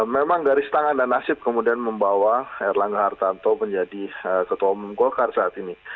memang garis tangan dan nasib kemudian membawa erlangga hartanto menjadi ketua umum golkar saat ini